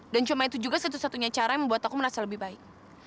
dan cuma itu juga satu satunya cara yang membuat aku merasa lebih baik